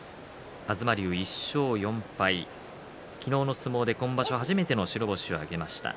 東龍１勝４敗昨日の相撲で今場所、初めての白星を挙げました。